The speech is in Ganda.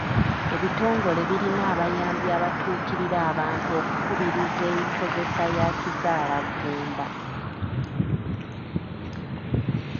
Ebitongole birina abayambi abatuukirira abantu okukubiriza enkozesa ya kizaalaggumba.